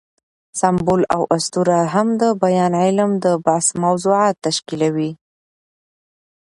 سمبول او اسطوره هم د بیان علم د بحث موضوعات تشکیلوي.